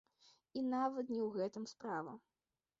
І нават не ў гэтым справа.